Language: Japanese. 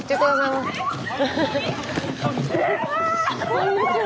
こんにちは。